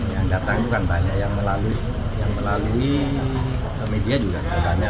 yang datang itu kan bahasa yang melalui media juga bertanya